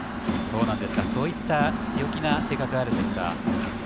そういった強気な性格があるんですか。